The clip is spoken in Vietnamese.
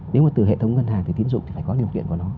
nếu mà từ hệ thống ngân hàng thì tín dụng thì phải có điều kiện của nó